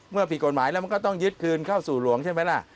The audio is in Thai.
ผิดกฎหมายแล้วมันก็ต้องยึดคืนเข้าสู่หลวงใช่ไหมล่ะ